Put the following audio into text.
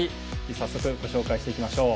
早速、ご紹介していきましょう。